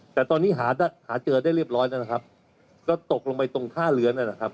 แต่ตอนนี้หาหาเจอได้เรียบร้อยแล้วนะครับก็ตกลงไปตรงท่าเรือนั่นแหละครับ